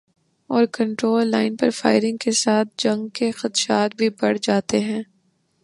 Over control line پر firing کے ساتھ جنگ کے خدشات بھی بڑھ جاتے ہیں۔